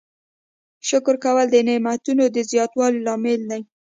شکر کول د نعمتونو د زیاتوالي لامل دی.